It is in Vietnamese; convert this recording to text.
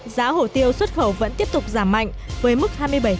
giá hổ tiêu xuất khẩu vẫn tiếp tục giảm mạnh với mức hai mươi bảy